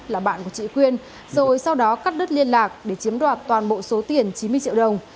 là bạn của chị khuyên rồi sau đó cắt đứt liên lạc để chiếm đoạt toàn bộ số tiền chín mươi triệu đồng